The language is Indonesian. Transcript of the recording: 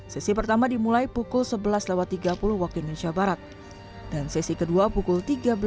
sesi pertama dimulai pukul sebelas tiga puluh waktu indonesia barat dan sesi kedua pukul tiga belas